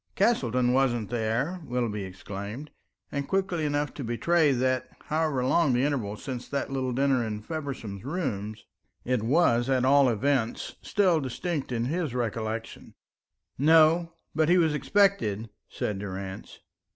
"Castleton wasn't there," Willoughby exclaimed, and quickly enough to betray that, however long the interval since that little dinner in Feversham's rooms, it was at all events still distinct in his recollections. "No, but he was expected," said Durrance.